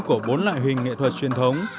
của bốn loại hình nghệ thuật truyền thống